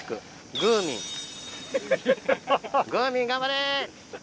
グーミー頑張れ！